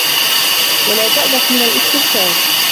وَلَا تَأْنَفْ مِنْ الِاسْتِرْشَادِ